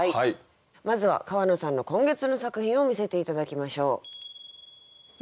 まずは川野さんの今月の作品を見せて頂きましょう。